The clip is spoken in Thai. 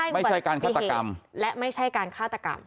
ไม่ใช่อุบัติเหตุและไม่ใช่การฆาตกรรม